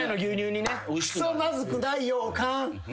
くそまずくないよおかん。